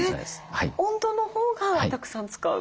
温度のほうがたくさん使う？